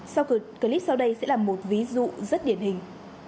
sau clip sau đây sẽ là một ví dụ rất điển hình